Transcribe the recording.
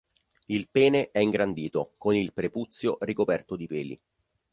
Il pene è ingrandito, con il prepuzio ricoperto di peli.